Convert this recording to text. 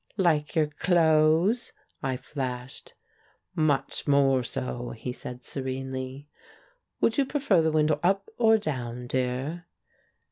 "Like your clothes?" I flashed. "Much more so," he said serenely. "Would you prefer the window up, or down, dear?"